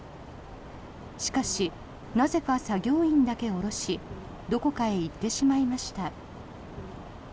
しかし、なぜか作業員だけ降ろしどこかへ行ってしまいました。